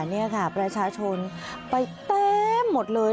นี่ค่ะประชาชนไปเต็มหมดเลย